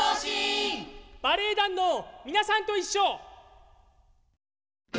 バレエ団のみなさんといっしょ！